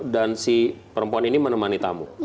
si perempuan ini menemani tamu